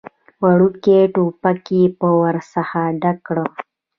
وړوکی ټيوب يې ورڅخه ډک کړ.